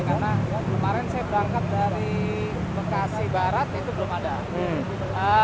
karena kemarin saya berangkat dari bekasi barat itu belum ada